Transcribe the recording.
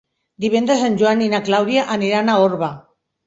Divendres en Joan i na Clàudia aniran a Orba.